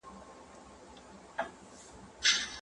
پرمختيايي هېوادونه د سپما د کچې د لوړولو لپاره هڅې کوي.